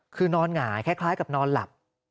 คือนอนหงายคล้ายกับนอนหลับ